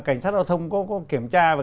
cảnh sát đào thông có kiểm tra